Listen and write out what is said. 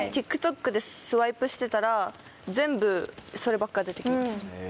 ＴｉｋＴｏｋでスワイプしてたら全部そればっか出て来ます。